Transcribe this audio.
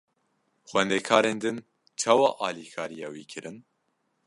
Xwendekarên din çawa alîkariya wî kirin?